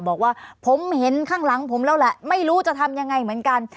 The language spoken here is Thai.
บอกว่าผมเห็นข้างหลังผมแล้วแหละไม่รู้จะทำยังไงเหมือนกัน